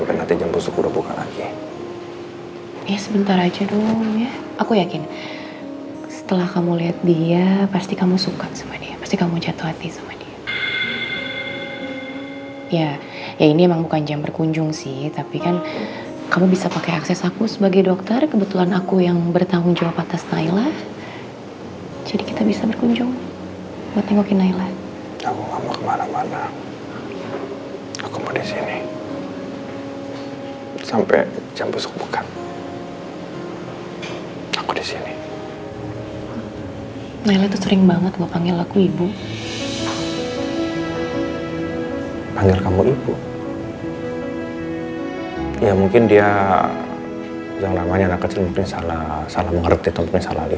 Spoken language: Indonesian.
kalau kamu berpikir pikir terus seperti ini